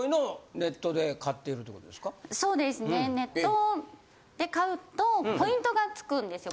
ネットで買うとポイントがつくんですよ。